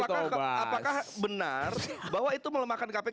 apakah benar bahwa itu melemahkan kpk